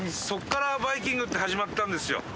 そこから「バイキング」って始まったんですよ。